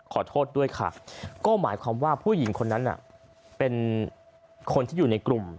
ขอโทษด้วยค่ะก็หมายความว่าผู้หญิงคนนั้นน่ะเป็นคนที่อยู่ในกลุ่ม